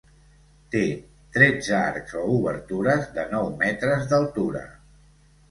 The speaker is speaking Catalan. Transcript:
Té tretze arcs o obertures, de nou metres d'altura.